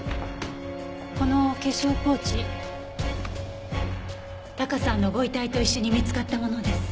この化粧ポーチタカさんのご遺体と一緒に見つかったものです。